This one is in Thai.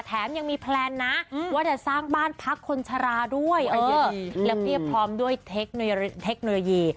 แถมยังมีแพลนนะว่าจะสร้างบ้านพักคนชราด้วยแล้วเพียบพร้อมด้วยเทคโนโลยี